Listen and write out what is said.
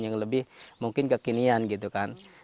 yang lebih mungkin kekinian gitu kan